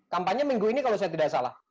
kampanye minggu ini kalau saya tidak salah